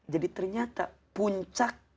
jadi ternyata puncak